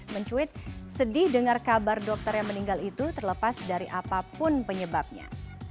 mencuit sedih dengar kabar dokter yang meninggal itu terlepas dari apapun penyebabnya